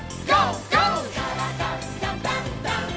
「からだダンダンダン」